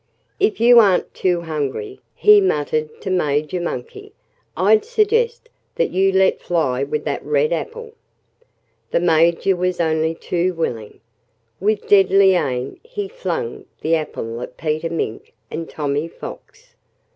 "If you aren't too hungry," he muttered to Major Monkey, "I'd suggest that you let fly with that red apple." The Major was only too willing. With deadly aim he flung the apple at Peter Mink and Tommy Fox.